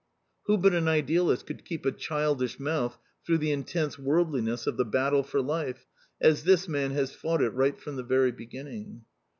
Who but an idealist could keep a childish mouth through the intense worldliness of the battle for life as this man has fought it, right from the very beginning?